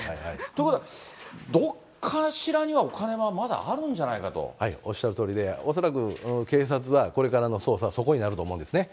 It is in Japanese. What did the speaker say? ということは、どっかしらにはおおっしゃるとおりで、恐らく警察はこれからの捜査、そこになると思うんですね。